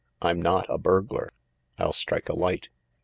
" I'm not a burglar. I'll strike a light."